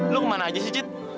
lu kemana aja sih cit